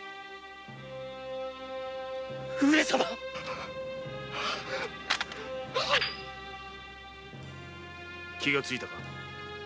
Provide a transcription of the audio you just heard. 上様気がついたか。